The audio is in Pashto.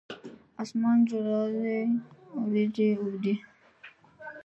اسمان جولا دی اوریځې اوبدي